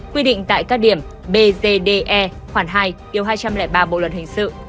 quy định tại các điểm bzde khoảng hai hai trăm linh ba bộ luật hình sự